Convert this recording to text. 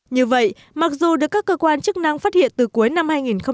như vậy mặc dù được các cơ quan chức năng phát hiện từ cuối năm hai nghìn một mươi tám